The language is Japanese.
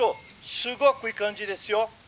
すごくいい感じですよ」。